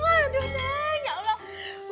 gue mau cabut dulu ya neng ampunan cakepnya